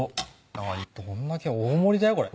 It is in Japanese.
どんだけ大盛りだよこれ。